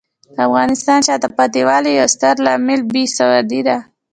د افغانستان د شاته پاتې والي یو ستر عامل بې سوادي دی.